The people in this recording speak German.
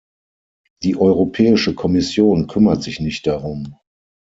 Die Europäische Kommission kümmert sich nicht darum.